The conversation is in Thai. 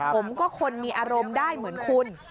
คนก็คนมีอารมณ์ได้เหมือนคุณ